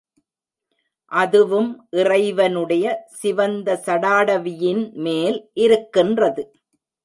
அதுவும் இறைவனுடைய சிவந்த சடாடவியின்மேல் இருக்கின்றது.